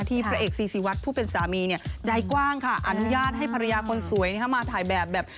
พระเอกซีซีวัดผู้เป็นสามีเนี่ยใจกว้างค่ะอนุญาตให้ภรรยาคนสวยมาถ่ายแบบแบบ